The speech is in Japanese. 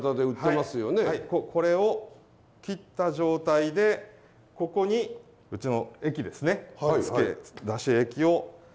これを切った状態でここにうちの液ですね。